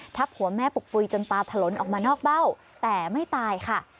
ผัวแม่ปุกปุ๋ยจนตาถลนออกมานอกเบ้าแต่ไม่ตายค่ะ